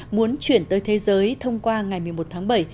muốn chuyển tới thế giới thông qua ngày một mươi một tháng bảy